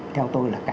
theo tôi là cả